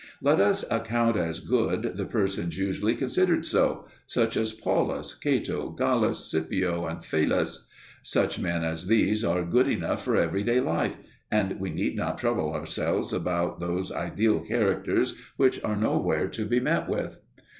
Let us account as good the persons usually considered so, such as Paulus, Cato, Gallus, Scipio, and Philus. Such men as these are good enough for everyday life; and we need not trouble ourselves about those ideal characters which are nowhere to be met with.